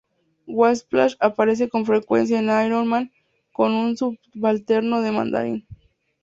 Whiplash aparece con frecuencia en Iron Man como un subalterno del Mandarín.